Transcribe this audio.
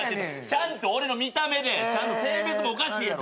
ちゃんと俺の見た目で性別もおかしいやろ。